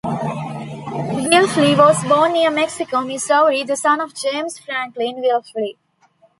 Wilfley was born near Mexico, Missouri, the son of James Franklin Wilfley.